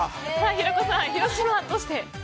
平子さん、広島はどうして？